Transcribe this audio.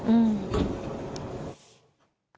อืม